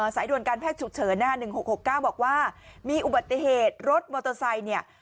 สายด่วนการแพทย์ฉุกเฉินหน้าหนึ่งหกหกเก้าบอกว่ามีอุบัติเหตุรถมอเตอร์ไซด์เนี่ย